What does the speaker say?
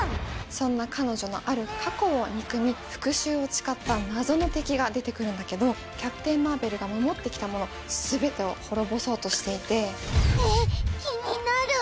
そんな彼女のある過去を憎み復讐を誓った謎の敵が出てくるんだけどキャプテン・マーベルが守ってきたもの全てを滅ぼそうとしていてえっ気になる